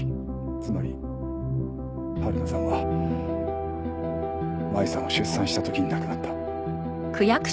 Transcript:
つまり春菜さんは麻衣さんを出産した時に亡くなった。